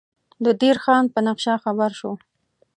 د دیر خان په نقشه خبر شو.